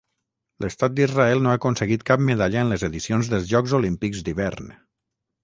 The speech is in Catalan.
L'Estat d'Israel no ha aconseguit cap medalla en les edicions dels Jocs Olímpics d'hivern.